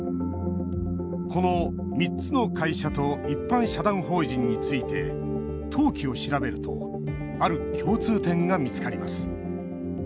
この３つの会社と一般社団法人について登記を調べるとある共通点が見つかります。